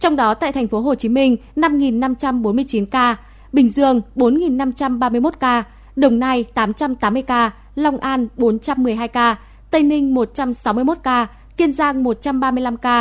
trong đó tại tp hcm năm năm trăm bốn mươi chín ca bình dương bốn năm trăm ba mươi một ca đồng nai tám trăm tám mươi ca long an bốn trăm một mươi hai ca tây ninh một trăm sáu mươi một ca kiên giang một trăm ba mươi năm ca